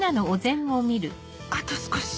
あと少し！